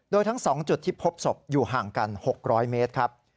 โดยทั้ง๒จุดที่พบศพอยู่ห่างกัน๖๐๐เมตรครับ